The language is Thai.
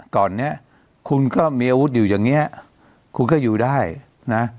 ก่อนเนี้ยคุณก็มีอาวุธอยู่อย่างเงี้ยคุณก็อยู่ได้นะ